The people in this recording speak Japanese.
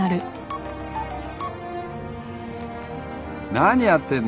何やってんの？